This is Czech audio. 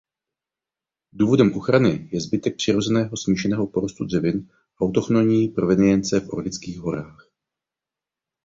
Důvodem ochrany je zbytek přirozeného smíšeného porostu dřevin autochtonní provenience v Orlických horách.